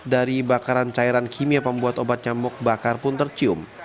dari bakaran cairan kimia pembuat obat nyambuk bakar pun tercium